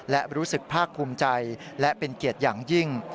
และรู้สึกภาคภูมิใจและเป็นเกียรติอย่างยิ่ง